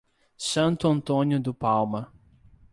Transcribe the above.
Santo Antônio do Palma